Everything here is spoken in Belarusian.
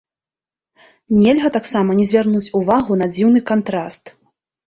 Нельга таксама не звярнуць увагу на дзіўны кантраст.